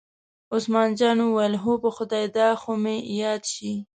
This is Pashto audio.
عثمان جان وویل: هو په خدای دا خو مې یاد شي.